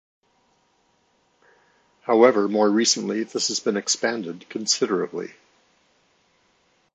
However more recently this has been expanded considerably.